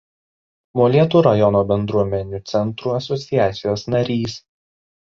Molėtų rajono bendruomenių centrų asociacijos narys.